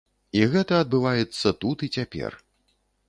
І гэта адбываецца тут і цяпер.